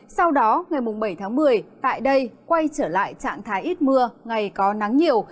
sau đó ngày bảy tháng một mươi tại đây quay trở lại trạng thái ít mưa ngày có nắng nhiều